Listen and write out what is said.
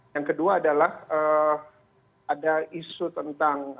yang kedua adalah ada isu tentang